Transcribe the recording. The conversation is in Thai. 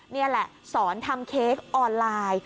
นี่แหละสอนทำเค้กออนไลน์